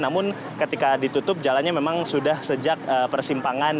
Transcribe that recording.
namun ketika ditutup jalannya memang sudah sejak persimpangan